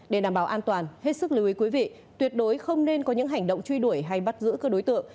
để đảm bảo an toàn hết sức lưu ý quý vị tuyệt đối không nên có những hành động truy đuổi hay bắt giữ cơ đối tượng